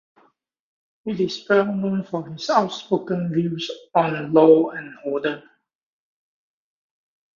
He is well known for his outspoken views on law and order.